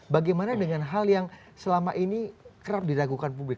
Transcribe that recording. bagaimana dengan hal yang selama ini kerap diragukan publik